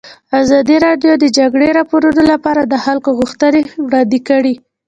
ازادي راډیو د د جګړې راپورونه لپاره د خلکو غوښتنې وړاندې کړي.